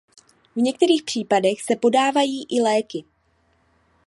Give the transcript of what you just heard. V některých případech se podávají i léky.